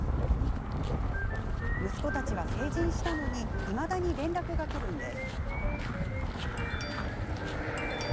息子たちは成人したのにいまだに連絡がくるんです。